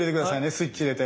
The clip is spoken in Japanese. スイッチ入れて。